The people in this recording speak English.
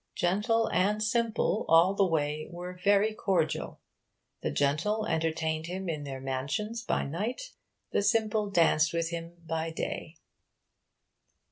Gentle and simple, all the way, were very cordial. The gentle entertained him in their mansions by night. The simple danced with him by day.